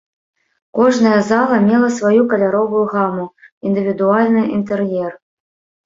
Кожная зала мела сваю каляровую гаму, індывідуальны інтэр'ер.